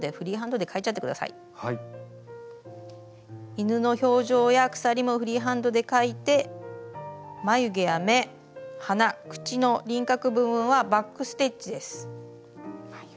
犬の表情や鎖もフリーハンドで描いて眉毛や目鼻口の輪郭部分はバック・ステッチです。